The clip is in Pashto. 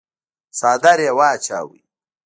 څادر يې واچاوه.